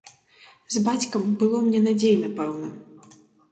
З бацькам было мне надзейна, пэўна.